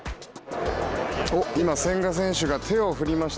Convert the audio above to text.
今、千賀選手が手を振りました。